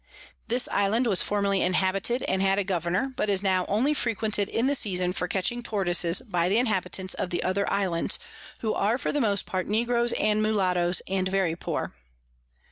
This Island was formerly inhabited, and had a Governor, but is now only frequented in the Season for catching Tortoises by the Inhabitants of the other Islands, who are for the most part Negroes and Mulattoes, and very poor.